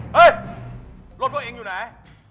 เฮ้ยรถกับเอ็งอยู่ไหน